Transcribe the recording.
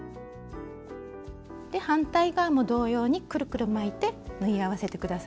反対側も同様にくるくる巻いて縫い合わせて下さいね。